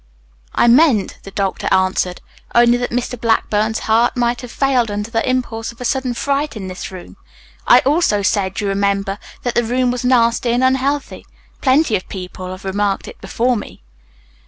"I meant," the doctor answered, "only that Mr. Blackburn's heart might have failed under the impulse of a sudden fright in this room. I also said, you remember, that the room was nasty and unhealthy. Plenty of people have remarked it before me."